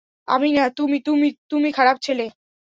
আমি না, তুমি, তুমি খারাপ ছেলে।